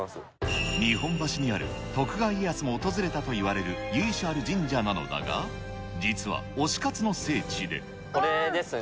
日本橋にある、徳川家康も訪れたといわれる由緒ある神社なのだが、実は、推し活これですね。